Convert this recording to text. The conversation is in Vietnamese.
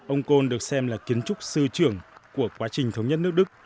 ông côn được xem là kiến trúc sư trưởng của quá trình thống nhất nước đức